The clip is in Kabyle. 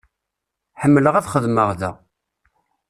Ḥemmleɣ ad xedmeɣ da.